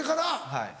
はい。